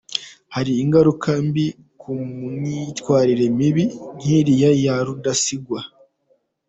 Hari ingaruka mbi ku myitwarire mibi nk’iriya ya Rudasingwa.